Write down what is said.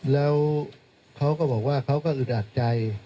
แล้วเขาก็บอกว่าเขาก็อึดอัดใจ